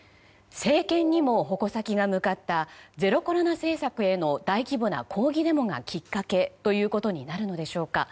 政権にも矛先が向かったゼロコロナ政策への大規模な抗議デモがきっかけということになるのでしょうか。